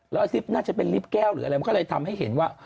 แล้วซิปน่าจะเป็นลิฟต์แก้วหรืออะไรมันก็เลยทำให้เห็นว่า